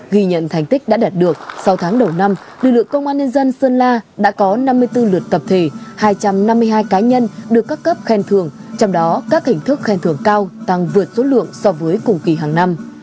ghi nhận thành tích đã đạt được sau tháng đầu năm lực lượng công an nhân dân sơn la đã có năm mươi bốn lượt tập thể hai trăm năm mươi hai cá nhân được các cấp khen thưởng trong đó các hình thức khen thưởng cao tăng vượt số lượng so với cùng kỳ hàng năm